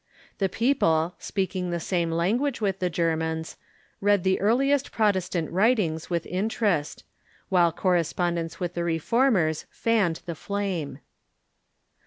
The people, speaking the same language with the Germans, read the earliest 234 THE REFORMATION Protestant writings with interest, while correspondence with the Reformers fanned the flame.